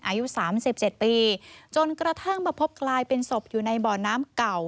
อายุ๓๗ปีจนกระทั่งมาพบกลายเป็นศพอยู่ในบ่อน้ำเก่า